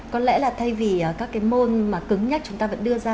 có lẽ là thay vì các cái môn mà cứng nhất chúng ta vẫn đưa ra